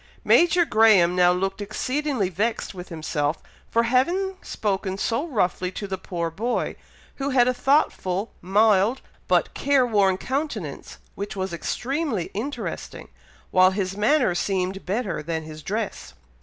Major Graham now looked exceedingly vexed with himself, for having spoken so roughly to the poor boy, who had a thoughtful, mild, but care worn countenance, which was extremely interesting, while his manner seemed better than his dress.